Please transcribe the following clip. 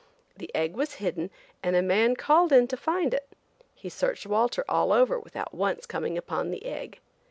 The egg was hidden and a man called in to find it. He searched Walter all over without once coming upon the egg.